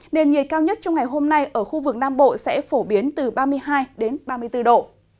nền nhiệt cao nhất trong ngày hôm nay ở khu vực nam bộ sẽ phổ biến từ ba mươi hai ba mươi bốn độ